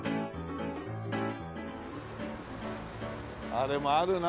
あれもあるな。